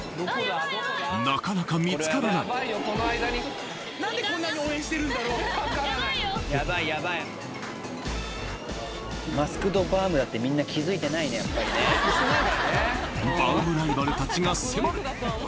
なかなか見つからないバウムライバルたちが迫る！